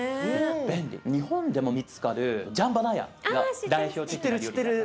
日本でも見つかるジャンバラヤが代表的な料理だね。